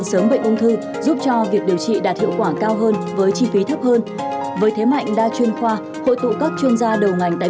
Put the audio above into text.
xin chào và hẹn gặp lại